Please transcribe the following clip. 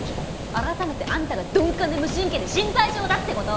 改めてあんたが鈍感で無神経で心配性だって事！